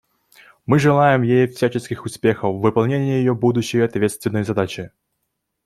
Мы желаем ей всяческих успехов в выполнении ее будущей ответственной задачи.